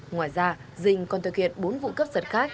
ngoài ra dình còn thực hiện bốn vụ cấp giật khác